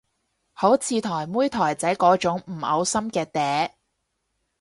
好似台妹台仔嗰種唔嘔心嘅嗲